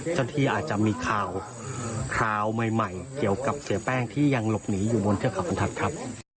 เจ้าหน้าที่อาจจะมีข่าวใหม่เกี่ยวกับเสียแป้งที่ยังหลบหนีอยู่บนเทือกเขาบรรทัศน์ครับ